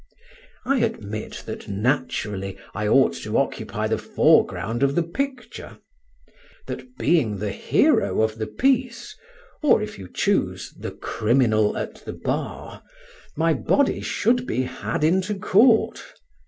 I admit that, naturally, I ought to occupy the foreground of the picture; that being the hero of the piece, or (if you choose) the criminal at the bar, my body should be had into court.